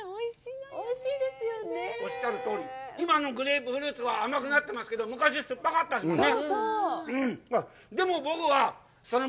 今のグレープフルーツは甘くなってますけど、昔、酸っぱかったですよね。